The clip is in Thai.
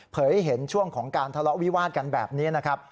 ให้เห็นช่วงของการทะเลาะวิวาดกันแบบนี้นะครับ